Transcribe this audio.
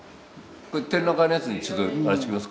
これ展覧会のやつにちょっとあれしときますか。